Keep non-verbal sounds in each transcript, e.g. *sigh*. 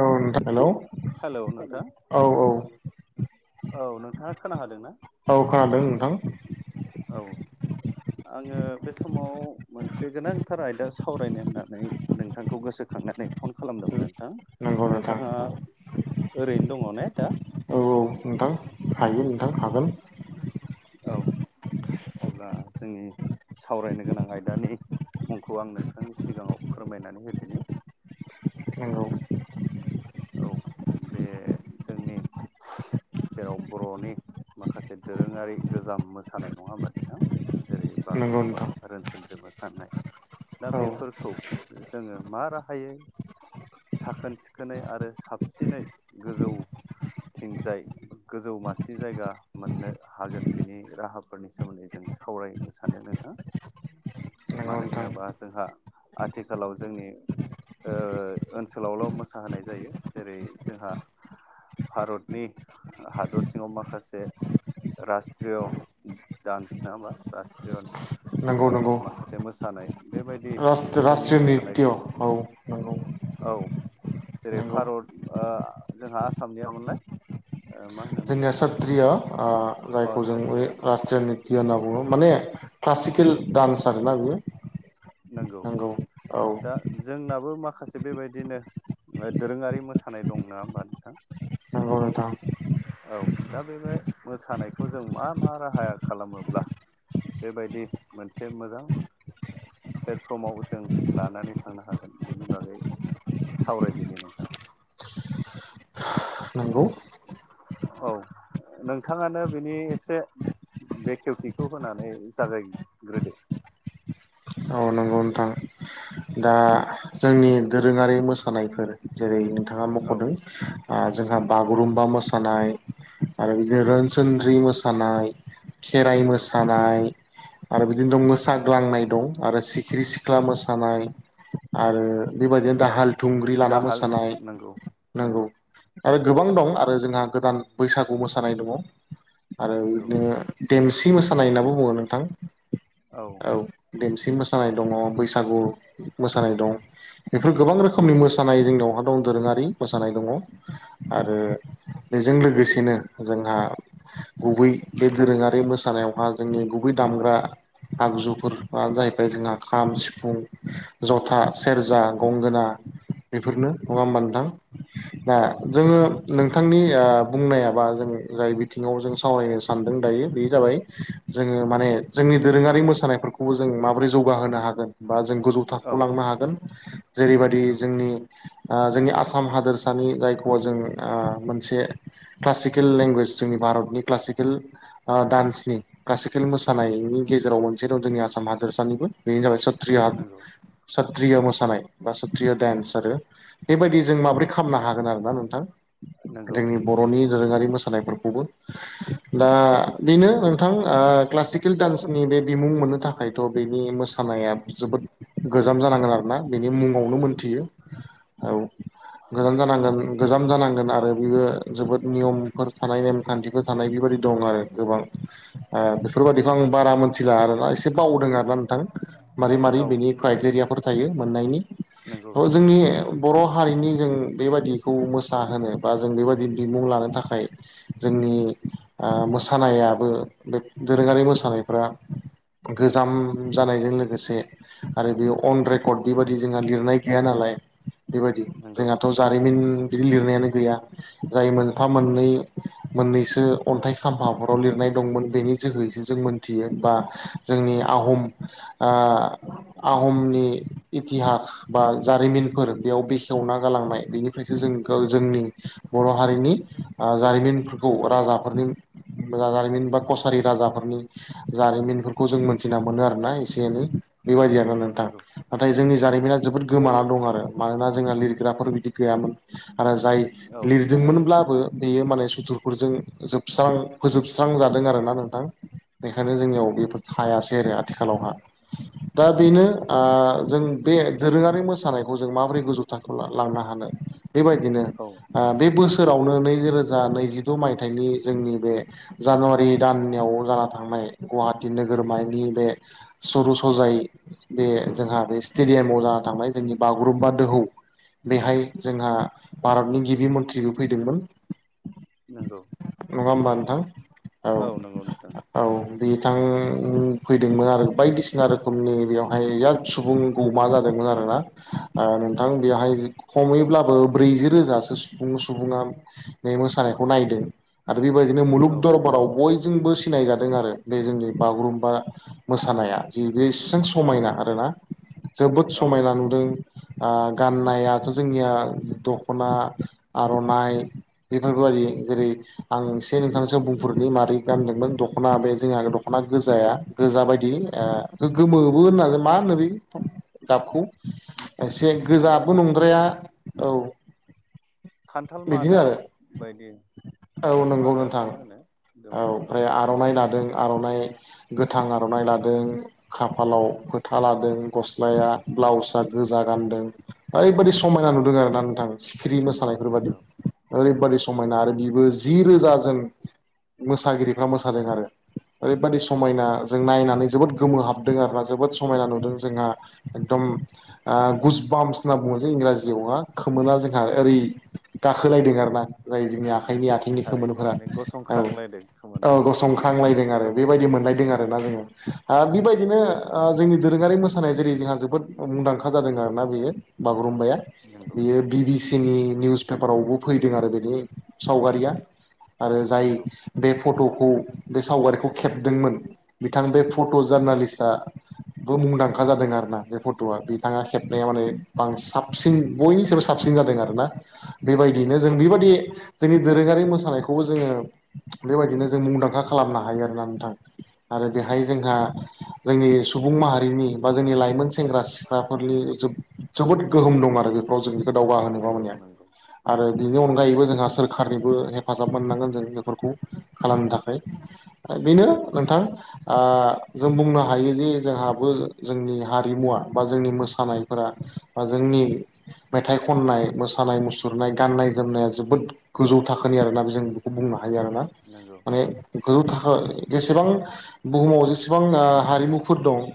औ नोंथां hello hello नोंथां औ औ औ नोंथाङा खोनादों ना औ खोनादों नोंथां औ आङो बे समाव मोनसे गोनांथार आयदा सावरायनो होननानै नोंथांखौ गोसोखांनानै फन खालामदोंमोन नोंथां नंगौ नोंथां नोंथाङा ओरैनो दङ ने दा औ औ नोंथां हायो नोंथां हागोन औ अब्ला जोंनि सावरायनो गोनां आयदानि मुंखौ आं नोंथांनि सिगाङाव फोरमायनानै होदिनि नोंगौ औ बे जोंनि जेराव बर'नि माखासे दोरोङारि गोजाम मोसानाय नङा होमबा नोंथां जेरै नंगौ बागुरुम्बा नोंथां रोनसोद्रि मोसानाय दा औ बेफोरखौ जोङो मा राहायै साखोन सि खोनै आरो साबसिनै गोजौ थिंजाय गोजौ मासे जायगा मोननो हागोन बेनि राहाफोरनि सोमोन्दै जों सावरायनो सानो नोंथां। नंगौ मानो नोंथां होनोबा जोंहा आथिखालाव जोंनि ओ ओनसोलावल' मोसाहोनाय जायो जेरै जोंहा भारतनि हादर सिङाव माखासे रास्ट्रिय दडान्स नङा होमबा रास्ट्रिय नंगौ ओ नंगौ माखासे मोसानाय। बेबायदि जोंनि रास्ट्रिय नित्य मोसानायखौ औ नंगौ औ जेरै नंगौ भारत ओ जोंहा आसामनिया मोनलाय मा होनोमोन जोंनिया जोंहा सथ्रिया अ जायखौ जों बे सात्रिया राज ट्रिय होनना बुङो माने क्लासिकेल डान्स आरोना बेयो नोंगौ दा जोंनाबो माखासे बेबायदिनो ओ दोरोङारि मोसानाय दं नङा होमबा नोंथां? नोंगौ नोंथां औ दा बेबाय मोसानायखौ जों मा मा राहाया खालामोब्ला बेबायदि मोनसे मोजां प्लेटफर्माव जों लानानै थांनो हागोन बेनि बागै सावरायदिनि नोंथां। नंगौ औ नोंथाङानो बिनि एसे बे खेवथिखौ होनानै जागायग्रोदो। औ नंगौ नोंथां। दा जोंनि दोरोङारि मोसानायफोर जेरै नोंथाङा औ मख'दों ओ जोंहा बागुरुम्बा मोसानाय आरो बिदि नंगौ रोनस सोनद्रि मोसानाय खेराइ नंगौ मोसान नाय आरो बिदिनो दं मोसाग्लांनाय दं आरो सिखिरि सिख्ला मोसानाय। आरो बेबायदिनो दाहाल थुंग्रि लाना दाहाल मोसानाय नंगौ नांगौ। नंगौ आरो गोबां दं आरो जोंहा गोदान बैसागु मोसानाय दङ आरो नंगौ बिदिनो देमसि मोसानाय होनना बुङो नोंथां औ देमसि मोसानाय दङ बैसागु मोसानाय दं। बेफोर गोबां रोखोमनि मोसानाय जोंनिआवहा दं दोरोङारि मोसानाय दङ आरो बेजों लोगोसेनो जोंहा गुबै बे दोरोङारि मोसानायावहा जोंनि गुबै दामग्रा। आगजुफोर ब जाहैबाय जोंहा खाम सिफुं जथा सेरजा गंगोना बेफोरनो नङा होमबा नंगौ नोंथां दा औ नंगौ जोङो थारैनो नों बिथांनि आ बुंनाया बा जों जाय बिथिङाव जों सावरायनो सानदों दायो बे जाबाय जोङो माने जोंनि दोरोङारि मोसानायफोरखौबो जों माबोरै जौगाहोनो हागोन बा जों गोजौ थाख औ हलांनो हागोन जेरैबायाददि नंगौ जोंनि जोंनि आसाम हादोरसानि जायखौ जों मोनसे क्लासिकेल लेंगुवेज जोंनि भारतनि क्लासिकेल आ डान्सनि क्लासिकेल मोसानायनि गेजेराव मोनसे दं जोंनि आसाम हादोरसानिबो बेनो जाबाय सत्रिय नंगौ सत्रिय मोसानाय बा सात्रिय' डेन्स आरो। बेबायदि जों माबोरै खालामनो हागोन आरोना नोंथां नंगौ जोंनि बर' बर'नि दोरोङारि मोसानायफोरखौबो दा बेनो नोंथां क्लासिक स्किल डान्सनि बे बिमुं मोननो थाखायथ' बेनि मोसानाया जोबोद गोजाम जानांगोन आरो ना बेनि मुङावनो मोनथियो। औ गोजान जानांगोन गोजाम जानांगोन औ आरो बियो जोबोद नियमफोर थानाय नेमखान्थिफोर थानाय बेबायाददि दं आरो गोबां। बेफोरबायादिखौ आं बारा मोनथिला आरोना एसे बावदों आर ना नोंथां मारै मारै औ बेनि क्राइटेरियाफोर थायो मोननायनि नंगौ थ नंगौ जोंनि बर' हारिनि जों बेबायाददिखौ मोसाहोनो बा जों बेबायदि बिमुं लानो थाखाय जोंनि मोसानायाबो बे दोरोङारि मोसानायफ्रा गोजाम जानायजों लोगोसे आरो बे अन रेकर्ड बेबायाददि जोंहा लिरनाय गैया नालाय बेबायदि नंगौ जोंहाथ' जारिमिन बिदि लिरनायानो गैया। जाय मोनफा मोननै मोननैसो अन्थाइ खाम्फाफोराव लिरनाय दंमोन बेनि जोहैसो जों थियो बा जोंनि आहम आ आहमनि इथिहाक बा जारिमिनफोर बेयाव बेखेवना गालांनाय बेनिफ्रायसो जों ग जोंनि बर' हारिनि आं जारिमिनफोरखौ राजाफोरनि जा जारिमिन बा कसारि राजाफोरनि जारिमिनफोरखौ जों मोनथिना मोनो आरोना एसे एनै नंगौ। बेबायदि आरोना नोंथां नंगौ नाथाय जोंनि जारिमिना जोबोद गोमाना दं आरो मानोना जोंना लिरग्राफोर बिदि गैयामोन आरो जाय औ लिर दंमोनब्लाबो बेयो माने सुथुरफोरजों जोबस्रां फोजोबस्रां जादों आरो ना नोंथां। बेखायनो जोंनियाव बेफोर थायासै आरो आथिखालावहा दा थारैनो ओ जों बे दोरोङारि मोसानायखौ जों माबोरै गोजौ थाखोआव लांनो हानो। बेबायदिनो औ आ बे बोसोरावनो नैरोजा नैजिद' मायथाइनि जोंनि बे जानुवारि दानयाव जाना थांनाय गुवाहाटि नोगोरमाहकनि बे सर' सजायै बे जोंहा बे स्टेडियामाव जाना थांनाय जोंनि बागुरुम्बा दोहौ बेहाय जोंहा भारतनि गिबि मन्थ्रिबो फैदोंमोन। नंगौ। नङा होमबा नोंथां? औ नंगौ नोंथां। औ बिथां फैदोंमोन आरो बायदिसिना रोखोमनि बेयावहाय याद सुबुं गौमा जादोंमोन आरोना। ओ नोंथां बेवहाय खमैब्लाबो ब्रैजि रोजासो सुबुं-सुबुङा बे मोसानायखौ नायदों। आरो बेबायदिनो मुलुग औ दरबाराव बयजोंबो सिनाय जादों आरो बे जोंनि बागुरुम्बा मोसानाया जि बे एसेबां समायना आरोना। जोबोद औ समायना नुदों। आं गाननायाथ' जोंनिया दख'ना, आर'नाइ बेफोरखौबायि जेरै आं एसे नोंथांसो बुंफोरुरनि मारै गानदोंमोन दख'ना बे जोंहा दख खना गोजाया नंगौ गोजा बायदि ए बे गोमो बो होननो हागोन, मा होनो बे गाबखौ एसे दा गोजाबो बेखौ नंद्राया औ। खान्थाल बिदिनो मादा आरो बायदि औ खान्थाल नंगौ नोंथां मादाखौनो होनो औ गोमो। ओमफ्राय आर'नाइ लादों आर'नाइ गोथां आर'नाइ लादों। खाफालाव फोथा लादों, गस्लाया ब्लाउसआ गोजा गानदों। ओरैबादि समायना नंगौ नुदों आरो ना नोंथा सिखिरि मोसानायफोर बादि। नंगौ ओरैबादि समायना आरो बिबो जि रोजाजोन मोसागिरिफ्रा मोसादों आरो। ओरैबायादि समायना जों नायनानै जोबोद गोमोहाबदों आरोना जोबोद समायना नुदों। जोंहा एकदम आ गुसबामस होनना बुङो जे इंराजियावहा, खोमोना जोंहा औ ओरै गाखोलायदों आरोना जाय जोंनि आखाइनि नंगौ आथिंनि थारैनो खोमोनफोरा माने औ। गसंख्रांलायदों औ खोमाना गसंखांलायदों आरो सोमो बेबायदि मोनलायदों आरो ना जोङो। आरो बेबायदिनो जोंनि दोरोङारि मोसानाय जेरै जोंहा जोबोद मुंदांखा जादों आरोना बेयो। बागुरुम्बाया नंगौ बियो बि बि सि नि निउस पेपारावबो फैदों आरो बिनि सावगारिया। आरो जाय नंगौ बे फट'खौ बे सावगारिखौ खेबदोंमोन बिथां बे फट' जार्नालिस्टआ बो मुंदांखा नंगौ जादों आरो ना बे फट'आ बिथाङा खेबनाया माने बां साबसिन बयनि सायबो साबसिन जादों आरोना। बबेबायदियैनो नंगौ जों नंगौ बेबायदि जोंनि दोरोङारि मोसानायखौबो जोङो बेबायदिनो जों मुंदांखा खालामनो हायो आरोना नोंथां। आरो बेहाय जोंहा जोंनि सुबुं माहारिनि बा जोंनि लाइमोन सेंग्रा सिख्लाफोरनि जोब जोबोद गोहोम दं आरो बेफोराव जों बेखौ नंगौ दावगाहोनोबो मा मोनाया। नंगौ आरो बिनि अनगायैबो जोंहा सोरखारनिबो हेफाजाब मोननांगोन जों बेफोरखौ खालामनो थाखाय। बेनो नंगौ नोंथां जों बुंनो हायो जे जोंहाबो जोंनि हारिमुवा बा जोंनि मोसानायफोरा बा जोंनि मेथाइ खननाय, मोसानाय मुसु सुरनाय गाननाय जोमनाया जोबोद गोजौ थाखोनि आरोना बे जों बेखौ बुंनो हायो आरोना। नंगौ। माने गोजौ थाखो जेसेबां बुहुमाव जेसेबां हारिमुफोर दं।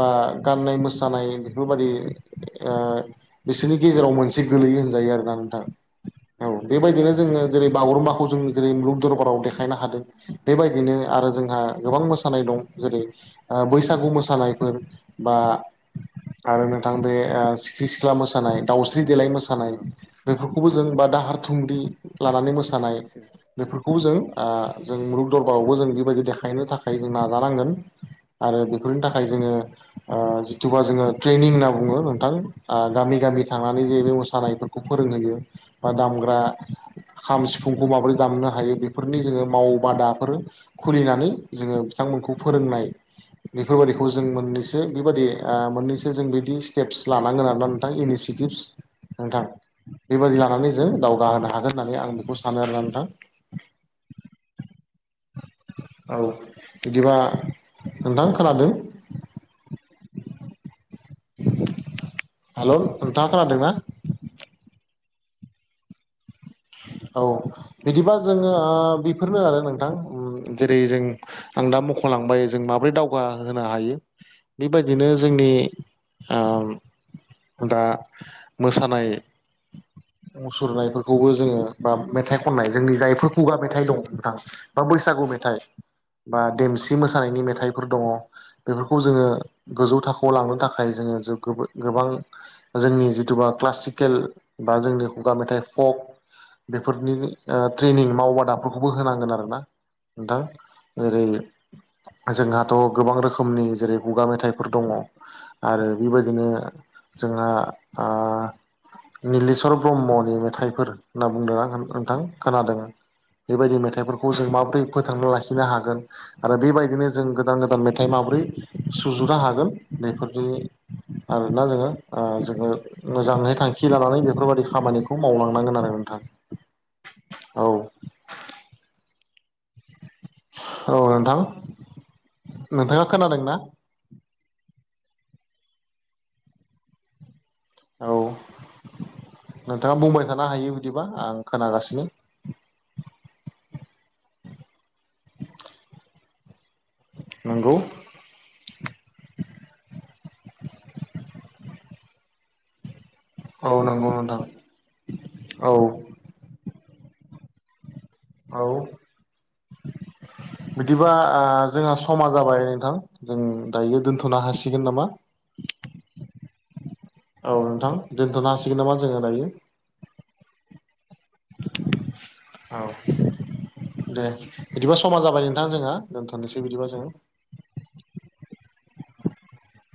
बा गान्नाय मोसानाय बेफोरबादि बिसोरनि गेजेराव मोनसे गोलैयो होनजायो आरोना नों औ नंगौ बेबायदिनो जोङो जेरै बागुरुम्बाखौ जों जेरै मुलुग दरबाराव देखायनो हादों। बेबायदिनो आरो जोंहा गोबां मोसानाय दं। जेरै बैसागु मोसानायफोर बा आरो नोंथां बे सिख्रि सिख्ला मोसानाय, दाावस्रि देलाय मोसानाय, नंगौ बेफोरखौबो जों नंगौ बा दाहार थुंग्रि लानानै मोसानाय बेफोरखौबो जों औ जों मुलुग दरबारावबो जों बेबायदि देखायनो थाखाय जों नाजानांगोन। आरो बेफोरनि थाखाय जोंङो- जिथुबा जोंङो ट्रेनिं होनना बुङो नोंथां गामि गामि थांनानै जे बे मोसानायफोरखौ- फोरोंहैयो बा दामग्रा खाम सिफुंखौ माबोरै दामनो हायो बेफोरनि जोंङो मावबादाफोर- खुलिनानै जोङो बिथांमोनखौ फोरोंनाय बेफोरबायाददिखौ जों मोननैसो बेबायादि मोननैसो जों बिदि स्टेप्स लानांगोन आरो ना- नथां इनिसियेटिभस नोंथां बेबायादि लानानै जों दावगाहोनो हागोन होननानै आं बेखौ सानो आरोना नोंथां *inaudible* औ बिदिबा नोंथां खोनादों? *inaudible* हेल' नोंथाङा खोनादोंनाा औ बिदिबा जोङो बेफोरनो आरो नोंथां जेरै जों आं दा मख'लांबाय जों माबोरै दावगा होनो हायो - बेबायदिनो जोंनि- दा मोसानाय मुसुरनायफोरखौबो ज जोंङो बा मेथाइ खननाय जोंनि जायफोर खुगा मेथाइ दं नोंथाङा बा बैसागु मेथाइ बा देमसि मोसानायनि मेथाइफोर दंङ। बेफोरखौ जोंङो गोजौ थाखोआव लांनो थाखाय जोंङो गोबां- जोंनि जिथुुबा क्लासिकेल बा जोंनि खुगा मेथाइ फक- बेफोरनि ट्रेनिं मावबादाफोरखौबो होनांगोन आरो ना- नोंथां ओरै- जोंहाथ' गोबां रोखोमनि जेरै खुगा मेथाइफोर दंङ। आरो बेबायदिनो जोंहा निलेशवर ब्रह्मनि मेथाइफोर होनना बुंदों नोंथां खोनादों। बेबायदि मेथाइफोरखौ जों माबोरै फोथांना लाखिनो हागोन- आरो बेबायदिनो जों गोदान गोदान मेथाइ माबोरै सुजुनो हागोन बेफोरनि- आरोना जोंङो ओ जोंङो मोजांङै थांखि लानानै बेफोरबाददि खामानिखौ मावलांनांगोन होननानै बुंदों *inaudible* औ औ नोंथां नोंथाङा खोनादों ना औ नोंथाङा बुंबाय थानो हायो बिदिबा आं खोनागासिनो नोंगौ- औ नंगौ नंथां औ औ *inaudible* बिदिबा जोंहा समा जाबाय नोंथां जों दायो दोन्थ'नो हासिगोन नामा औ नोंथां दोनथनो हासिगोन नामा जोंङो दायो? *unintelligible* औ दे बिदिबा समा जाबाय नोंथां जोंहा दोनथ'नोसै बिदिबा जोंङो